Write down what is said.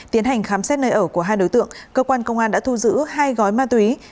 tiến hành khám xét nơi ở của hai đối tượng cơ quan công an đã thu giữ hai gói ma túy